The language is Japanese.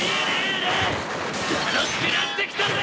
楽しくなってきたぜ！